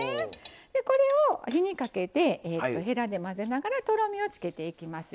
これを火にかけてへらで混ぜながらとろみをつけていきますよ。